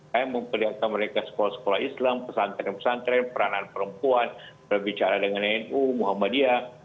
saya memperlihatkan mereka sekolah sekolah islam pesantren pesantren peranan perempuan berbicara dengan nu muhammadiyah